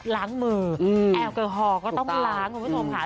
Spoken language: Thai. ล้างมือแอลกอฮอล์ก็ต้องล้างคุณผู้ชมค่ะ